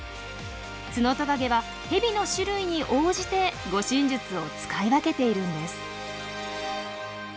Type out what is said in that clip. ツノトカゲはヘビの種類に応じて護身術を使い分けているんです。